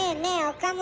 岡村。